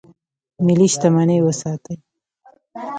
ملي شتمني وساتئ